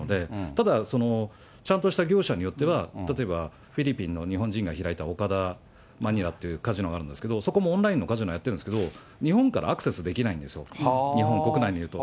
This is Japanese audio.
ただ、ちゃんとした業者によっては、例えばフィリピンの日本人が開いたおかだまにらというカジノがあるんですけど、そこもオンラインのカジノやってるんですけど、日本からアクセスできないんですよ、日本国内にいると。